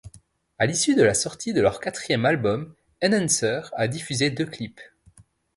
À l'issue de la sortie de leur quatrième album, Enhancer a diffusé deux clips.